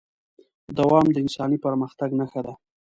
دوام د انساني پرمختګ نښه ده.